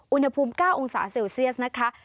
อุณหภูมิ๙องศาเซลเซียสนะคะ